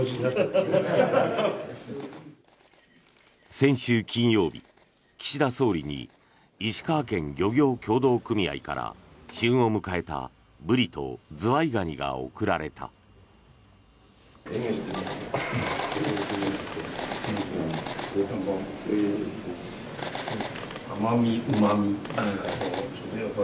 先週金曜日、岸田総理に石川県漁業協同組合から旬を迎えたブリとズワイガニが贈られた。